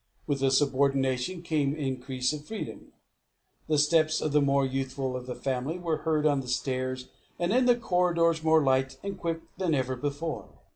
With the subordination came increase of freedom. The steps of the more youthful of the family were heard on the stairs and in the corridors more light and quick than ever before.